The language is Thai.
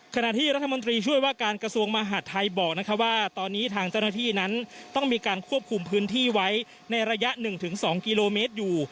ขณะที่รัฐมนตรีช่วยว่าการกระทรวงมหาดไทยบอกว่าตอนนี้ทางเจ้าหน้าที่นั้นต้องมีการควบคุมพื้นที่ไว้ในระยะ๑๒กิโลเมตรอยู่